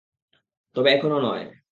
তবে এখনো নয়।